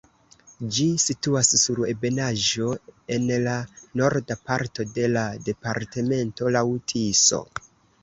Ĝi situas sur ebenaĵo en la norda parto de la departemento laŭ Tiso.